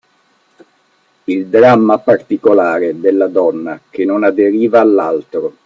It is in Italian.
Il dramma particolare della donna, che non aderiva all’altro